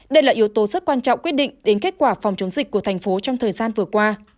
đây là yếu tố rất quan trọng quyết định đến kết quả phòng chống dịch của thành phố trong thời gian vừa qua